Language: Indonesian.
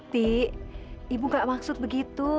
tik ibu gak maksud begitu